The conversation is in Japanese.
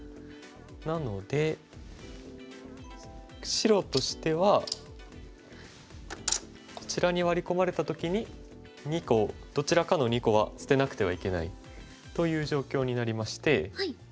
なので白としてはこちらにワリ込まれた時に２個どちらかの２個は捨てなくてはいけないという状況になりまして。